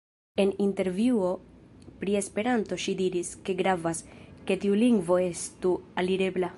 En intervjuo pri Esperanto ŝi diris, ke "gravas, ke tiu lingvo estu alirebla".